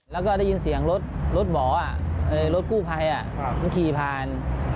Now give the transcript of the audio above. แล้วก็ได้ยินเสียงรถหรอรถกู้ภัยมันขี่ผ่าน